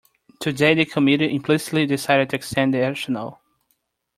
Today the committee implicitly decided to extend the arsenal.